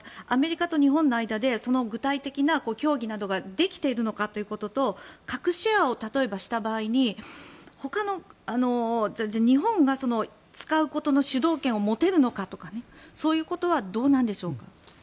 アメリカと日本の間でその具体的な協議などができているのかということと核シェアをした場合に日本が使うことの主導権を持てるのかとかそういうことはどうなんでしょうか。